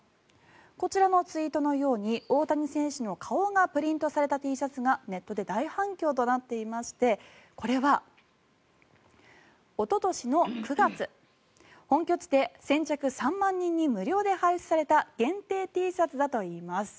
こちらのツイートのように大谷選手の顔がプリントされたＴシャツがネットで大反響となっていましてこれはおととしの９月本拠地で先着３万人に無料で配布された限定Ｔシャツだといいます。